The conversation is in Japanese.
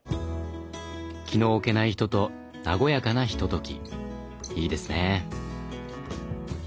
気の置けない人と和やかなひとときいいですね。